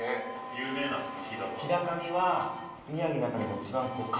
有名なんですか？